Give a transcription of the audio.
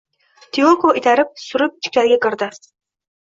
Tiyoko itarib, surib ichkariga kirdi